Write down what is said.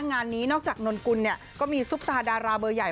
งานนี้นอกจากนนกุลเนี่ยก็มีซุปตาดาราเบอร์ใหญ่